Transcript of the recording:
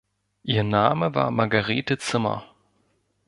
Ihr Name war Margarete Zimmer.